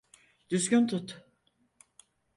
Düzgün tut.